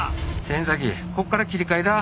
先こっから切り替えだ！